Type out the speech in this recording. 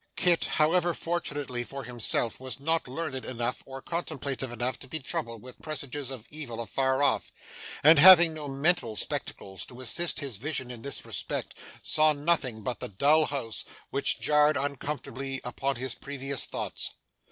Kit, however, fortunately for himself, was not learned enough or contemplative enough to be troubled with presages of evil afar off, and, having no mental spectacles to assist his vision in this respect, saw nothing but the dull house, which jarred uncomfortably upon his previous thoughts.